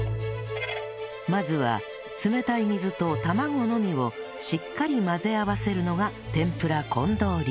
まずは冷たい水と卵のみをしっかり混ぜ合わせるのがてんぷら近藤流